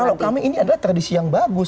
kalau kami ini adalah tradisi yang bagus